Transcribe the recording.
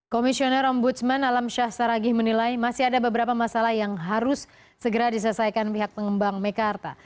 komisioner ombudsman alam syah saragih menilai masih ada beberapa masalah yang harus segera diselesaikan pihak pengembang mekarta